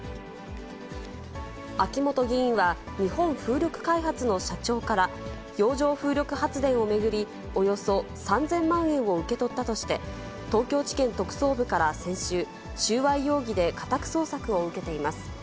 秋本議員は、日本風力開発の社長から、洋上風力発電を巡り、およそ３０００万円を受け取ったとして、東京地検特捜部から先週、収賄容疑で家宅捜索を受けています。